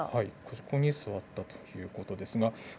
ここに座ったということですが。